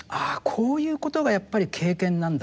こういうことがやっぱり経験なんだって。